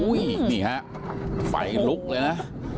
โอ้โฮนี่ฮะไฟลุกเลยนะ